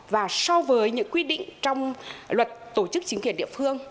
và so với những quy định trong luật tổ chức chính quyền địa phương